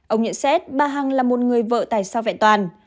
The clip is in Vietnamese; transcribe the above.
ông nhận xét bà hằng là một người vợ tại sao vẹn toàn